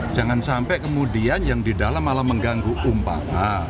jangan sampai kemudian yang di dalam malah mengganggu umpama